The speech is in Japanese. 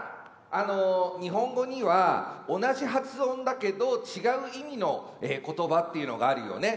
あの日本語には同じ発音だけど違う意味の言葉っていうのがあるよね。